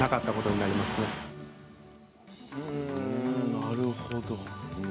なるほど。